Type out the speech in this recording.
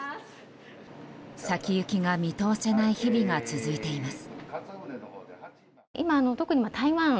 先行きが見通せない日々が続いています。